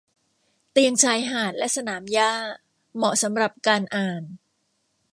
เตียงชายหาดและสนามหญ้าเหมาะสำหรับการอ่าน